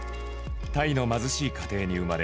タイの貧しい家庭に生まれ